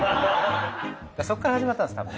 そこから始まったんですたぶん。